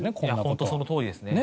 ホントそのとおりですね。